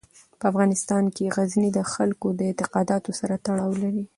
په افغانستان کې غزني د خلکو د اعتقاداتو سره تړاو لري.